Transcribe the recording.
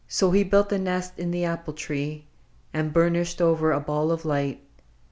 Then he built the nest in the apple tree ; And, burnished over, a ball of light.